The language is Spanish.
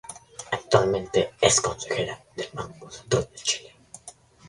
Actualmente es consejera del Banco Central de Chile.